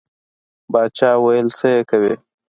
باچا ویل څه یې کوې.